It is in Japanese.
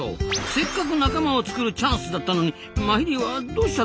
せっかく仲間を作るチャンスだったのにマヒリはどうしちゃったの？